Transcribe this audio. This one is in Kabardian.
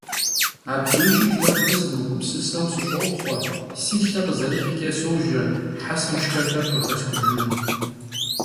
Abdêjjım kuedre sımıgupsıseu sış'opxhue, si lhe khızerihç'e sojje, hesem şşç'exer khıxesxujjınu.